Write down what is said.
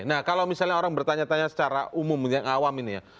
nah kalau misalnya orang bertanya tanya secara umum yang awam ini ya